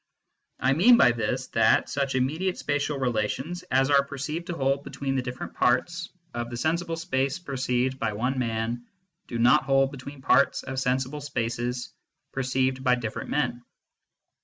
I mean by this that such immediate spatial relations as are perceived to hold CONSTITUENTS OF MATTER 139 between the different parts of the sensible space perceived by one man, do not hold between parts of sensible spaces perceived by different men.